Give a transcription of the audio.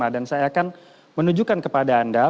dan saya akan menunjukkan kepada anda